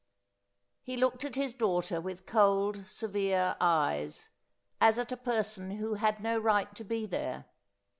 He looked at his daughter with cold severe eyes, as at a person who had no right to be there.